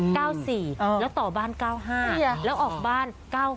แล้วต่อบ้าน๙๕แล้วออกบ้าน๙๕